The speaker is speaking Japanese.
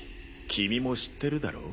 君も知ってるだろ？